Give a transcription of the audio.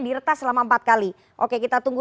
diretas selama empat kali oke kita tunggu